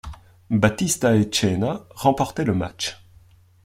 Batista et Cena remportaient le match.